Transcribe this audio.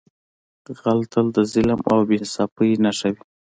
غل تل د ظلم او بې انصافۍ نښه وي